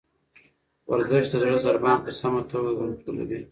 ورزش د زړه ضربان په سمه توګه کنټرولوي.